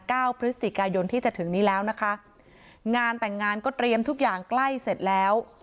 เก้าพฤศจิกายนที่จะถึงนี้แล้วนะคะงานแต่งงานก็เตรียมทุกอย่างใกล้เสร็จแล้ว